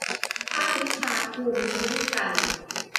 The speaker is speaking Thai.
ภาควิชาภูมิคุ้มกัน